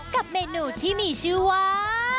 กับเมนูที่มีชื่อว่า